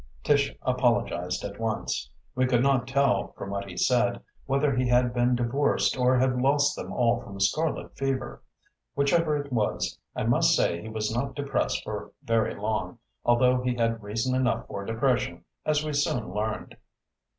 Tish apologized at once. We could not tell, from what he said, whether he had been divorced or had lost them all from scarlet fever. Whichever it was, I must say he was not depressed for very long, although he had reason enough for depression, as we soon learned.